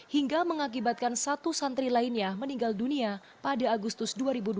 hingga mengakibatkan satu santri lainnya meninggal dunia pada agustus dua ribu dua puluh